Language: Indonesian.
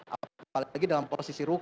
apalagi dalam posisi